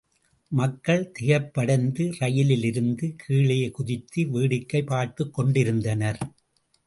மக்கள் திகைப்படைந்து ரயிலிலிருந்து கீழே குதித்து வேடிக்கை பார்த்துக் கொண்டிருந்தனர்.